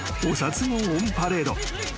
お札のオンパレード］